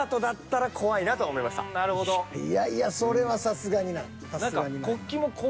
いやいやそれはさすがにない。